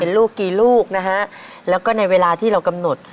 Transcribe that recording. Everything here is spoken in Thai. ลูกกี่ลูกนะฮะแล้วก็ในเวลาที่เรากำหนด